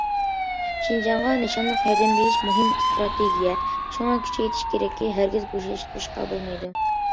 شىنجاڭغا نىشانلىق ياردەم بېرىش مۇھىم ئىستراتېگىيە، شۇڭا كۈچەيتىش كېرەككى ھەرگىز بوشاشتۇرۇشقا بولمايدۇ.